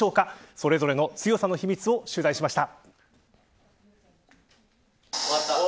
それぞれの強さの秘密を取材しました。